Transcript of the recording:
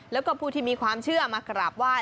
แล้วก็ผู้ที่มีความเชื่อมากราบไหว้